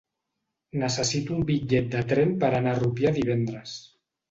Necessito un bitllet de tren per anar a Rupià divendres.